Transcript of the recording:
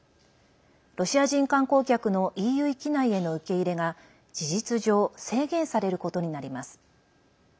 ロシア人観光客のＥＵ域内への受け入れが事実上制限されることになります。